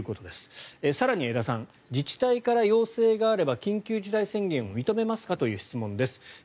更に江田さん自治体から要請があれば緊急事態宣言を認めますか？という質問です。